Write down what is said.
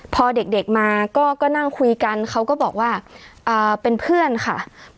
พอเด็กมาก็นั่งคุยกันเขาก็บอกว่าเป็นเพื่อนค่ะ